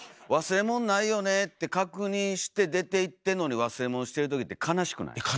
忘れもんないよねって確認して出ていってんのに忘れもんしてる時って悲しくない？